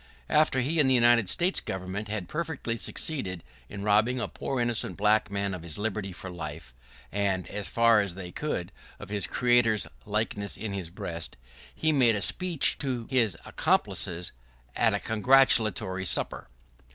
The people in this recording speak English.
After he and the United States government had perfectly succeeded in robbing a poor innocent black man of his liberty for life, and, as far as they could, of his Creator's likeness in his breast, he made a speech to his accomplices, at a congratulatory supper!